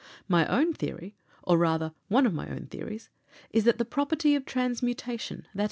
My own theory, or rather one of my own theories, is that the property of transmutation, _i.